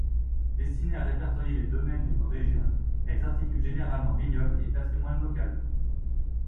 Destinées à répertorier les domaines d'une région, elles articulent généralement vignoble et patrimoine local.